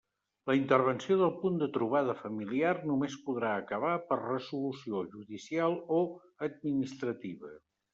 La intervenció del Punt de Trobada Familiar només podrà acabar per resolució judicial o administrativa.